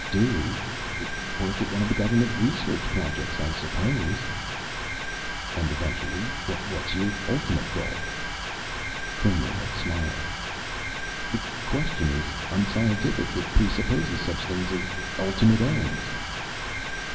"Do? Work at one of the Government Research Projects, I suppose." "And eventually? What's your ultimate goal?" Kramer had smiled. "The question is unscientific. It presupposes such things as ultimate ends."